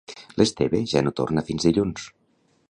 L'Esteve ja no torna fins dilluns